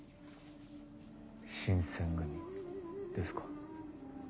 新撰組ですか。